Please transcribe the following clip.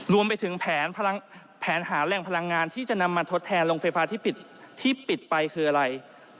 รวมไปถึงแผนหาแหล่งพลังงานที่จะนำมาทดแทนโรงไฟฟ้าที่ปิดไปคืออะไร